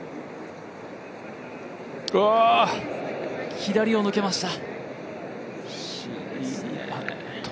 左を抜けました。